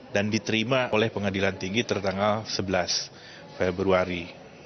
dan diterima oleh pengadilan tinggi terdanggal sebelas februari dua ribu sembilan belas